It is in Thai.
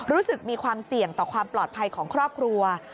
รู้สึกมีความเสี่ยงต่อความปลอดภัยของครอบครัว